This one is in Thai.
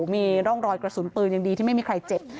มีร่องรอยกระสุนปืนยังดีที่ไม่มีใครเจ็บ